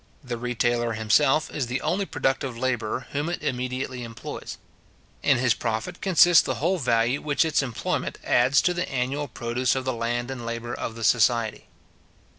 The retailer himself is the only productive labourer whom it immediately employs. In his profit consists the whole value which its employment adds to the annual produce of the land and labour of the society.